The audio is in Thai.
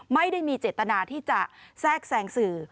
ไม่ได้มีเจตนาที่จะแทรกแซงสื่อ